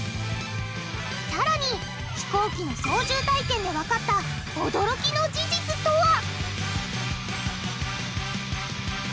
さらに飛行機の操縦体験でわかった驚きの事実とは？